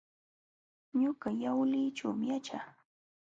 Ñuqa Yawlićhuumi yaćhaa.